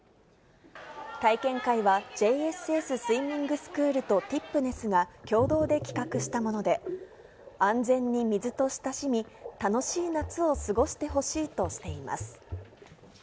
体験会はＪＳＳスイミングスクールとティップネスが共同で企画したもので、安全に水と親しみ、楽しい夏を過ごしてほしいとしています。